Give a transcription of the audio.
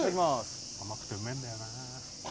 甘くてうめえんだよな。